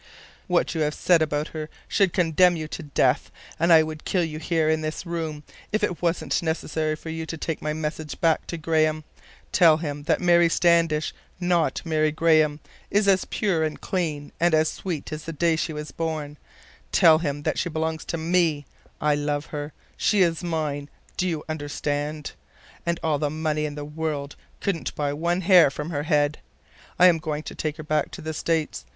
"What you have said about her should condemn you to death. And I would kill you here, in this room, if it wasn't necessary for you to take my message back to Graham. Tell him that Mary Standish—not Mary Graham—is as pure and clean and as sweet as the day she was born. Tell him that she belongs to me. I love her. She is mine—do you understand? And all the money in the world couldn't buy one hair from her head. I'm going to take her back to the States.